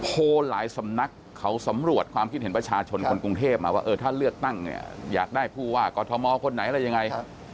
หลายสำนักเขาสำรวจความคิดเห็นประชาชนคนกรุงเทพมาว่าเออถ้าเลือกตั้งเนี่ยอยากได้ผู้ว่ากอทมคนไหนอะไรยังไง